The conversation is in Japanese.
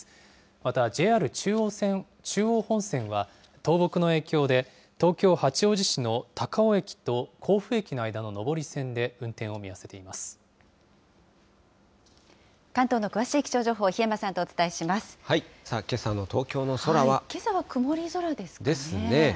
またＪＲ中央本線は、倒木の影響で、東京・八王子市の高尾駅と甲府駅の間の上り線で運転を見合わせて関東の詳しい気象情報、檜山けさの東京の空は。ですね。